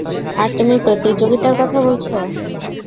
আর তুমি প্রতিযোগিতার কথা বলছো!